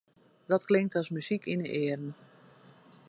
Dat klinkt as muzyk yn 'e earen.